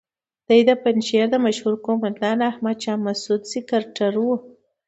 دی د پنجشیر د مشهور قوماندان احمد شاه مسعود سکرتر وو.